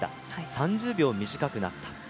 ３０秒短くなった。